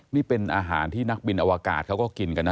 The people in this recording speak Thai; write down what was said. นี่เป็นอาหารที่นักบินอวกาศเขาก็กินกันนะ